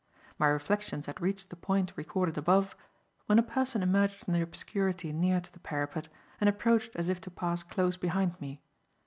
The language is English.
My reflections had reached the point recorded above, when a person emerged from the obscurity near to the parapet and approached as if to pass close behind me.